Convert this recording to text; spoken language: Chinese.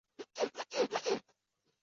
波尔多第三大学则保持独立。